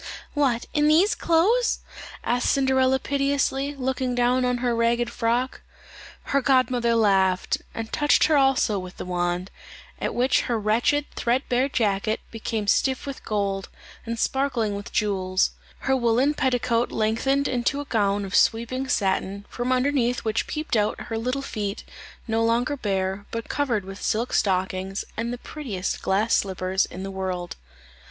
"What, in these clothes?" said Cinderella piteously, looking down on her ragged frock. Her godmother laughed, and touched her also with the wand; at which her wretched thread bare jacket became stiff with gold, and sparkling with jewels; her woollen petticoat lengthened into a gown of sweeping satin, from underneath which peeped out her little feet, no longer bare, but covered with silk stockings, and the prettiest glass slippers in the world.